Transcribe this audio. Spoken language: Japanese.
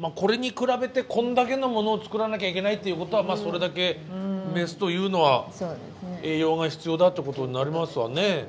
まあこれに比べてこんだけのものを作らなきゃいけないっていうことはまあそれだけメスというのは栄養が必要だってことになりますわね。